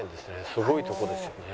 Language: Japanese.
すごいとこですよね